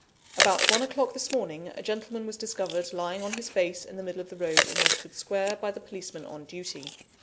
"About one o'clock this morning, a gentleman was discovered lying on his face in the middle of the road, in Westwood Square, by the policeman on duty.